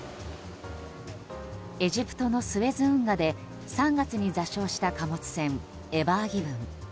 エジプトのスエズ運河で３月に座礁した貨物船「エバーギブン」。